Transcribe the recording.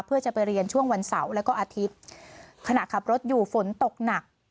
เพื่อจะไปเรียนช่วงวันเสาร์แล้วก็อาทิตย์ขณะขับรถอยู่ฝนตกหนัก